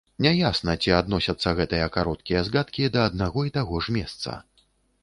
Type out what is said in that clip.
Не ясна, ці адносяцца гэтыя кароткія згадкі да аднаго і таго ж месца.